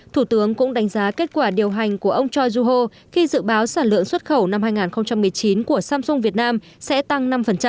thủ tướng cũng đánh giá kết quả điều hành của ông choi joo ho khi dự báo sản lượng xuất khẩu năm hai nghìn một mươi chín của samsung việt nam sẽ tăng năm